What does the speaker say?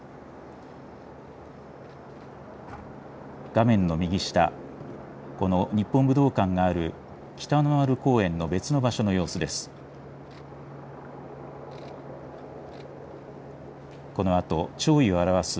画面の右下、この日本武道館がある北の丸公園の別の場所の様子です。